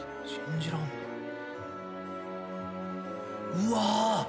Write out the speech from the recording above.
うわ。